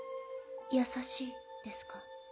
優しいですか？